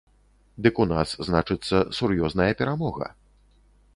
Дык у нас, значыцца, сур'ёзная перамога.